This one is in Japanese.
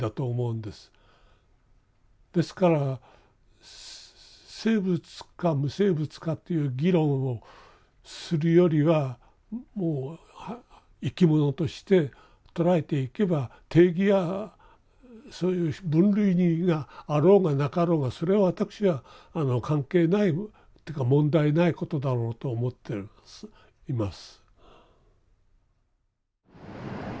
ですから生物か無生物かという議論をするよりはもう生き物として捉えていけば定義やそういう分類があろうがなかろうがそれは私は関係ないっていうか問題ないことだろうと思ってるんですいます。